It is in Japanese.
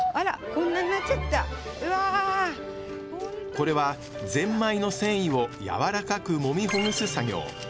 これはぜんまいの繊維をやわらかくもみほぐす作業。